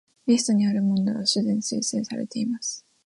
リストにある問題はすでに修正されています